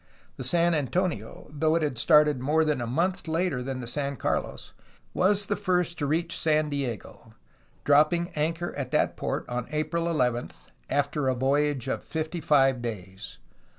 The San Antonio, though it had started more than a month later than the San Carlos, was the first to reach San Diego, dropping anchor at that port on April 11, after a voyage of fifty five days.